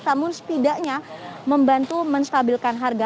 namun setidaknya membantu menstabilkan harga